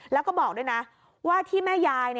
แล้วก็บอกด้วยนะว่าที่แม่ยาย